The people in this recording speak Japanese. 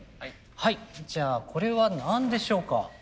はいじゃあこれは何でしょうか？